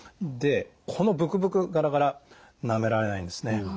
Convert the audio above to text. でこのブクブクガラガラなめられないんですね。